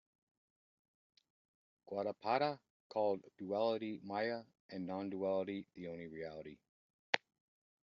Gaudapada called duality Maya, and non-duality, the only reality.